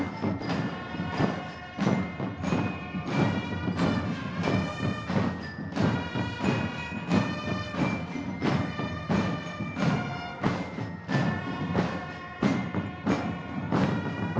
sersan mayor dua taruna pelaut